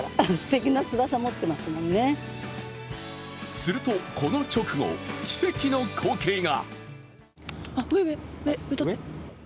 するとこの直後、奇跡の光景が。